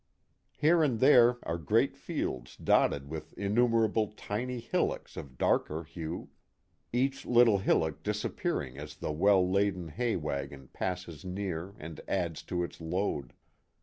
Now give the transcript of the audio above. Here and there arc grest fields, dotted with innumerable tiny hillocks of darker hue, each little hillock disappearing as the well laden hay wagon passes near and adds to its load.